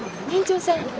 年長さん。